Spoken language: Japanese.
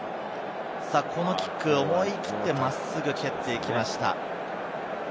このキック、思い切って真っすぐ蹴っていきました。